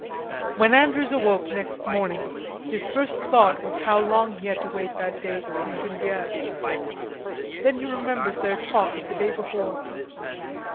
When Andrews awoke next morning, his first thought was how long he had to wait that day to see Genevieve. Then he remembered their talk of the day before.